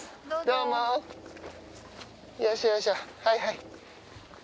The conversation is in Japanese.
はいはい。